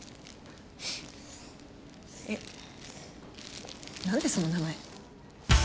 えっなんでその名前。